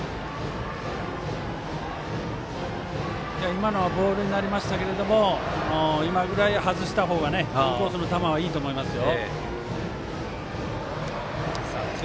今のはボールになりましたけども今ぐらい、外した方がインコースの球はいいと思いますよ。